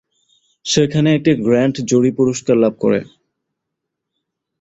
সেখানে এটি grand jury পুরস্কার লাভ করে।